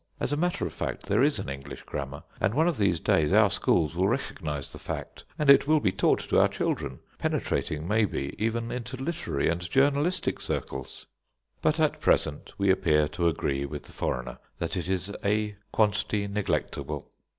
As a matter of fact, there is an English grammar, and one of these days our schools will recognise the fact, and it will be taught to our children, penetrating maybe even into literary and journalistic circles. But at present we appear to agree with the foreigner that it is a quantity neglectable.